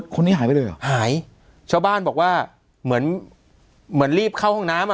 คนนี้หายไปเลยเหรอหายเช่าบ้านบอกว่าเหมือนรีบเข้าห้องน้ำ